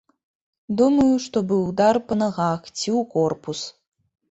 Думаю, што быў удар па нагах ці ў корпус.